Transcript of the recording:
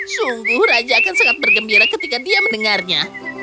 sungguh raja akan sangat bergembira ketika dia mendengarnya